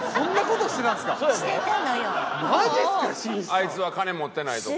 「あいつは金持ってない」とか。